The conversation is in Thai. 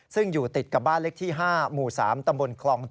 ซึ่งอยู่ติดกับบ้านเล็กที่๕หมู่๓ตำบลคลอง๗